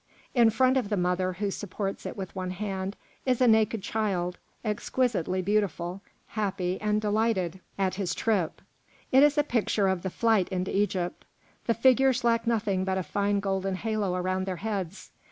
In front of the mother, who supports it with one hand, is a naked child, exquisitely beautiful, happy and delighted at his trip. It is a picture of the Flight into Egypt; the figures lack nothing but a fine golden halo around their heads.